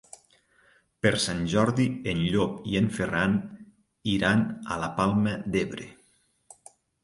Per Sant Jordi en Llop i en Ferran iran a la Palma d'Ebre.